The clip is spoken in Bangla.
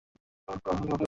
Pick up coordinates?